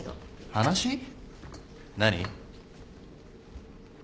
話？何？